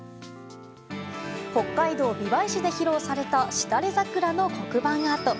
北海道美唄市で披露されたしだれ桜の黒板アート。